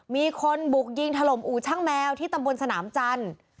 มีคนบุกยิงถล่มอู่ช่างแมวที่ตำบลสนามจันทร์